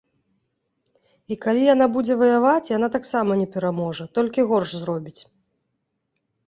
І калі яна будзе ваяваць, яна таксама не пераможа, толькі горш зробіць.